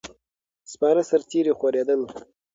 سپاره سرتیري خورېدل.